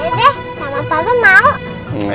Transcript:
dede sama papa mau